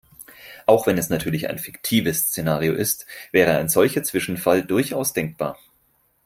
Auch wenn es natürlich ein fiktives Szenario ist, wäre ein solcher Zwischenfall durchaus denkbar.